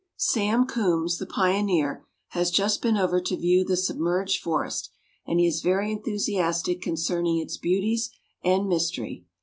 Sam Coombs, the pioneer, has just been over to view the submerged forest, and he is very enthusiastic concerning its beauties and mystery.